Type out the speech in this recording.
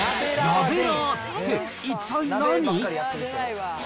ナベラーって、一体何？